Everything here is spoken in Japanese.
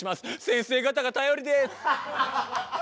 先生方が頼りです。